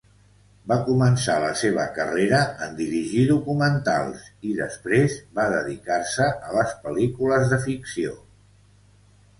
Va començar la seva carrera en dirigir documentals i, després, va dedicar-se a les pel·lícules de ficció.